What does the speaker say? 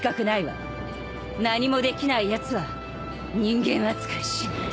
何もできないやつは人間扱いしない。